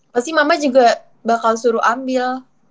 pasti mama juga bakal suruh ambil